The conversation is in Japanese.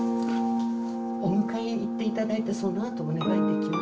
お迎え行って頂いたそのあとお願いできますか？